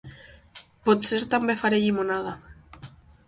Potser també faré llimonada